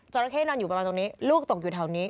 ราเข้นอนอยู่ประมาณตรงนี้ลูกตกอยู่แถวนี้